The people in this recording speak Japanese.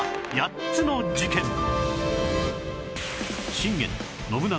信玄信長